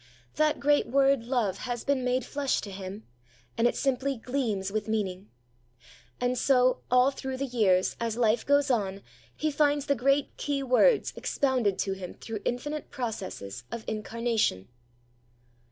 That great word love has been made flesh to him, and it simply gleams with meaning. And so, all through the years, as life goes on, he finds the great key words expounded to him through infinite processes of incarnation.